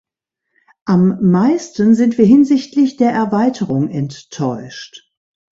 Am meisten sind wir hinsichtlich der Erweiterung enttäuscht.